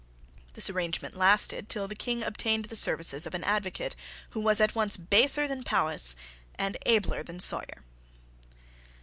This arrangement lasted till the king obtained the services of an advocate who was at once baser than Powis and abler than Sawyer.